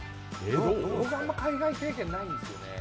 僕、あんまり海外経験ないんですよね。